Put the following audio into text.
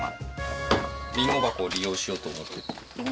りんご箱を利用しようと思って。